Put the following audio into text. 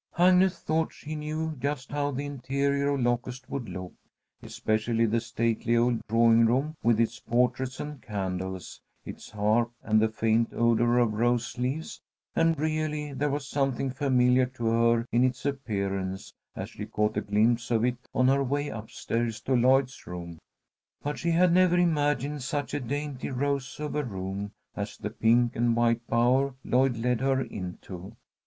Agnes thought she knew just how the interior of Locust would look, especially the stately old drawing room, with its portraits and candles, its harp and the faint odour of rose leaves; and really there was something familiar to her in its appearance as she caught a glimpse of it on her way up stairs to Lloyd's room. But she had never imagined such a dainty rose of a room as the pink and white bower Lloyd led her into.